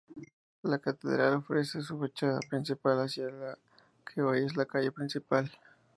La catedral ofrece su fachada principal hacia la que hoy es la calle principal.